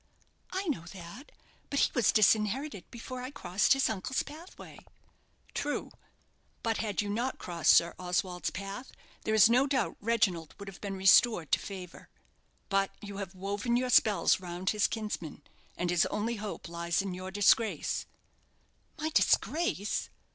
"I know that; but he was disinherited before I crossed his uncle's pathway." "True; but had you not crossed Sir Oswald's path, there is no doubt Reginald would have been restored to favour. But you have woven your spells round his kinsman, and his only hope lies in your disgrace " "My disgrace!"